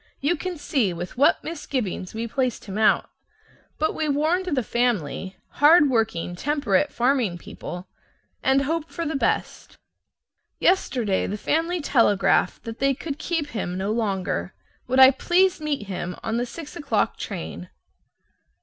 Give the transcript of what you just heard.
You can see with what misgivings we placed him out. But we warned the family (hard working temperate farming people) and hoped for the best. Yesterday the family telegraphed that they could keep him no longer. Would I please meet him on the six o'clock train?